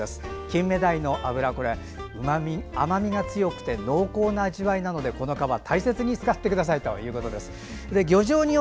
キンメダイの脂はうまみ、甘みが強く濃厚なのでこの皮、大切に使ってくださいということです。